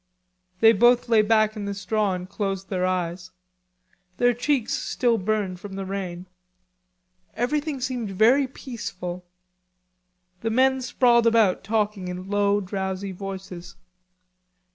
They both lay back in the straw and closed their eyes. Their cheeks still burned from the rain. Everything seemed very peaceful; the men sprawled about talking in low drowsy voices.